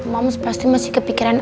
moms pasti masih kepikiran